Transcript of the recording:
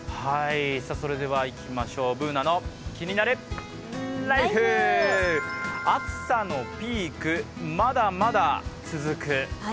それでは「ＢｏｏｎａのキニナルＬＩＦＥ」暑さのピーク、まだまだ続く。